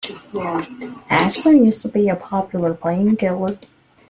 Asprin used to be a popular painkiller